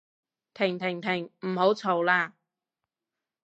停停停唔好嘈喇